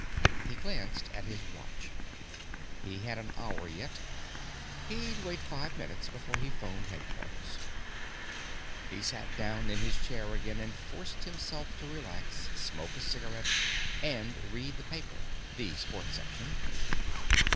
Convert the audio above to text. He glanced at his watch. He had an hour yet. He'd wait five minutes before he phoned headquarters. He sat down in his chair again and forced himself to relax, smoke a cigarette, and read the paper the sports section.